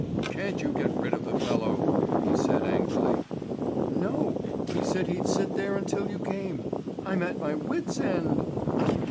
"Can't you get rid of the fellow?" he said angrily. "No. He said he'd sit there now until you came. I'm at my wits' end!"